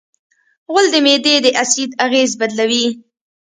غول د معدې د اسید اغېز بدلوي.